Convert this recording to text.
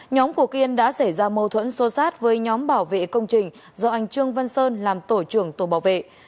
nhóm của kiên đã xảy ra mâu thuẫn sô sát với nhóm bảo vệ công trình do anh trương văn sơn làm tổ trưởng tổ bảo vệ